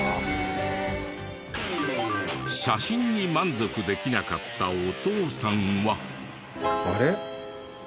写真に満足できなかったお父さんは。